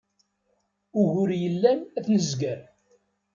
Ugur yellan ad t-nezger.